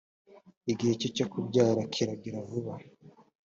igihe cye cyo kubyara kiragera vuba.